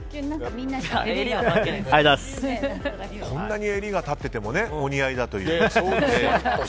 こんなに襟が立っててもお似合いだと。